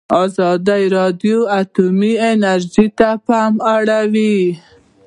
ازادي راډیو د اټومي انرژي ته پام اړولی.